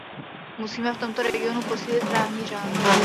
Musíme v tomto regionu posílit právní řád.